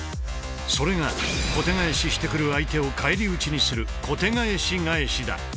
それが小手返ししてくる相手を返り討ちにする小手返し返しだ。